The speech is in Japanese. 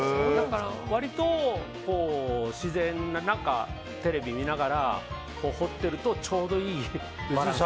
割と自然なテレビ見ながら彫ってるとちょうどいいバランスで。